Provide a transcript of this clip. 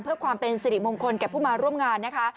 เพื่อความเป็นสิริมงคลแก่ผู้มาร่วมงานนะคะ